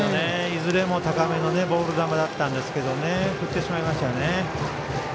いずれも高めのボール球でしたが振ってしまいましたよね。